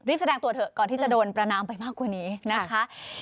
แสดงตัวเถอะก่อนที่จะโดนประนามไปมากกว่านี้นะคะ